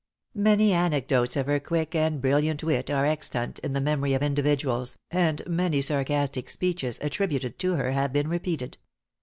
Many anecdotes of her quick and brilliant wit are extant in the memory of individuals, and many sarcastic speeches attributed to her have been repeated.